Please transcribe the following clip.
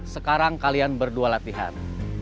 sekarang kalian berdua latihan